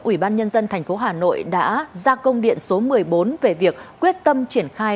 ủy ban nhân dân tp hà nội đã ra công điện số một mươi bốn về việc quyết tâm triển khai